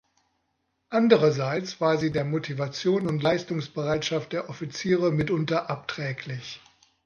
Andererseits war sie der Motivation und Leistungsbereitschaft der Offiziere mitunter abträglich.